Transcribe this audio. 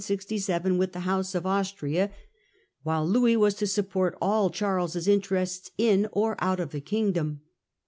f *667 with the house of Austria, while Louis March 1667. was to support all Charles's interests 'in or out of the kingdom.